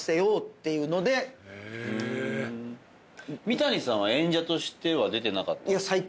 三谷さんは演者としては出てなかった？